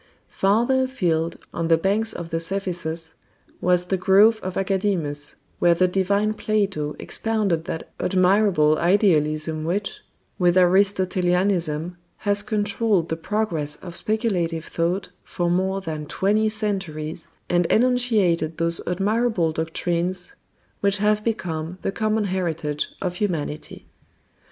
Farther afield, on the banks of the Cephissus, was the grove of Academus, where the divine Plato expounded that admirable idealism which, with Aristotelianism, has controlled the progress of speculative thought for more than twenty centuries, and enunciated those admirable doctrines which have become the common heritage of humanity.